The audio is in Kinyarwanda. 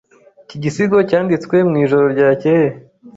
Iki gisigo cyanditswe mwijoro ryakeye.